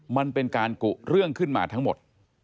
มันเป็นการกุเรื่องขึ้นมาทั้งหมด